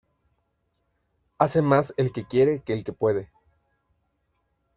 Hace más el que quiere que el que puede.